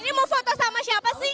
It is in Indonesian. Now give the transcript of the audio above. ini mau foto sama siapa sih